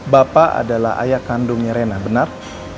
bapak adalah ayah kandungnya rena benar